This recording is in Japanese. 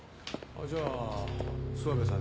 じゃあ諏訪部さん